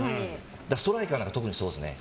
ストライカーなんか特にそうですね。